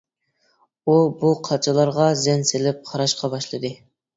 ئۇ بۇ قاچىلارغا زەن سېلىپ قاراشقا باشلىدى.